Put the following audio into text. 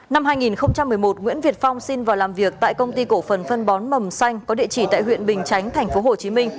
năm hai nghìn một mươi một nguyễn việt phong xin vào làm việc tại công ty cổ phần phân bón mầm xanh có địa chỉ tại huyện bình chánh tp hcm